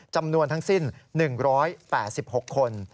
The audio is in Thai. จำนวนทั้งสิ้น๑๘๖คน